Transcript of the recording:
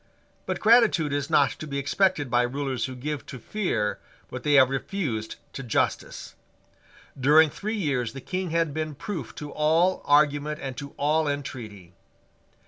But gratitude is not to be expected by rulers who give to fear what they have refused to justice. During three years the King had been proof to all argument and to all entreaty.